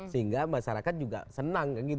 sehingga masyarakat juga senang